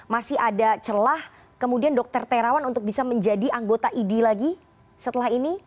masih ada celah kemudian dr terawan untuk bisa menjadi anggota idi lagi setelah ini